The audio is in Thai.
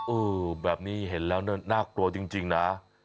โอ้โหแบบนี้เห็นแล้วน่ากลัวจริงนะ